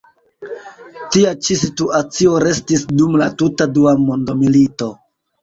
Tia ĉi situacio restis dum la tuta dua mondmilito.